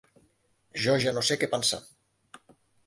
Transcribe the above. Jo ja no sé què pensar.